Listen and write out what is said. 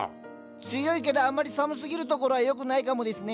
強いけどあまり寒すぎるところはよくないかもですね。